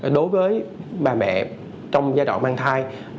đối với bà mẹ trong giai đoạn mang thai